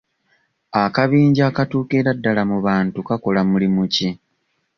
Akabinja akatuukira ddala mu bantu kakola mulimu ki?